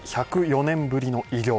１０４年ぶりの偉業。